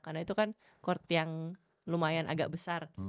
karena itu kan court yang lumayan agak besar